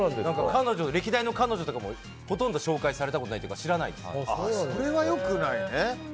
歴代の彼女とかも、ほとんど紹介されたことないというかそれは良くないね。